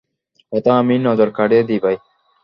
প্রথমে আমি নজর কাটিয়ে দি ভাই।